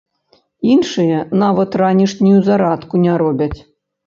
Іншыя нават ранішнюю зарадку не робяць!